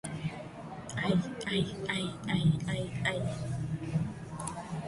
Without periodic feedings, Morlun will age and weaken.